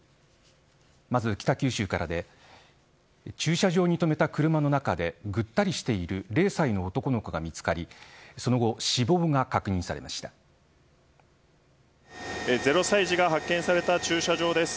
まず、北九州からで駐車場に止めた車の中でぐったりしている０歳の男の子が見つかり０歳児が発見された駐車場です。